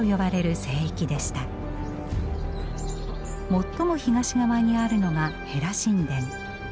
最も東側にあるのがヘラ神殿。